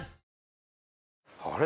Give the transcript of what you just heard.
あれ？